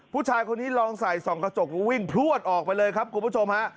ผู้ชายคนนี้ลองใส่ส่องกระจกแล้ววิ่งพลวดออกไปเลยครับคุณผู้ชมฮะ